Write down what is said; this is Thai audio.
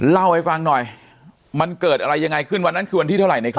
เล่าให้ฟังหน่อยมันเกิดอะไรยังไงขึ้นวันนั้นคือวันที่เท่าไหร่